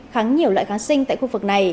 kháng nhiều loại kháng sinh tại khu vực